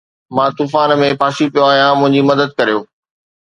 مان طوفان ۾ ڦاسي پيو آهيان منهنجي مدد ڪريو